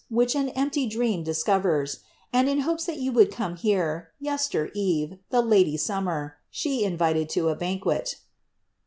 Which an empty dream discovers; And in hopes that yt>u would come here, Yester eve, the lady Summer,* She invited to a banquet.